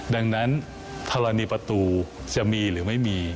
ดังนั้นธรณีประตูจะมีหรือไม่มี